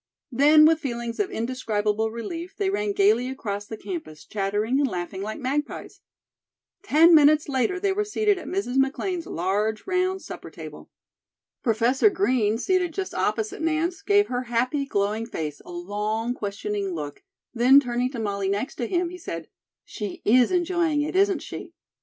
Then, with feelings of indescribable relief, they ran gayly across the campus, chattering and laughing like magpies. Ten minutes later they were seated at Mrs. McLean's large round supper table. Professor Green, seated just opposite Nance, gave her happy, glowing face a long questioning look, then turning to Molly next to him, he said: "She is enjoying it, isn't she?"